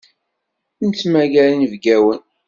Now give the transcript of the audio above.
Nettmagar inebgawen.